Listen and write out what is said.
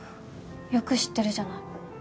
よく知ってるじゃない。